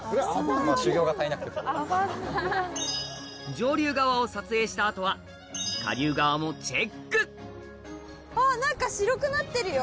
上流側を撮影した後は下流側もチェック何か白くなってるよ。